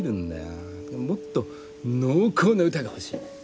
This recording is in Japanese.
もっと濃厚な歌が欲しい。